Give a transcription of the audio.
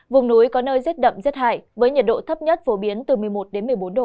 vùng núi có nơi rét đậm rét hại với nhiệt độ thấp nhất phổ biến từ một mươi một đến một mươi bốn độ